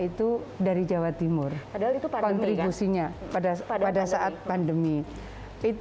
itu dari jawa timur adalah itu kontribusinya pada pada saat pandemi itu rasanya oh insya allah kita